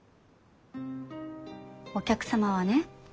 お客様はね